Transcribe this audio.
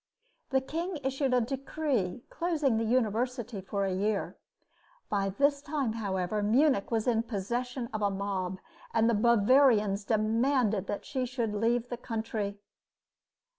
The king issued a decree closing the university for a year. By this time, however, Munich was in possession of a mob, and the Bavarians demanded that she should leave the country.